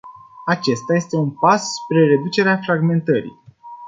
Acesta este un pas spre reducerea fragmentării.